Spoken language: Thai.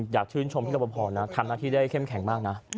อยากชื่นชมพี่รับประพอนะทำหน้าที่ได้เข้มแข็งมากนะ